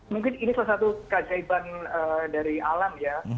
mungkin ini salah satu keajaiban dari alam ya